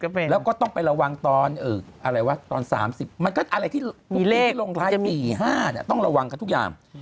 ๒๗ก็เป็นแล้วก็ต้องไประวังตอน๓๐มันก็อะไรที่ลงลายปี๕ต้องระวังกันทุกอย่าง